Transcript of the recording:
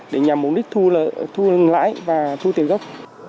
để nhằm mục đích thu lãi và thu tiền gốc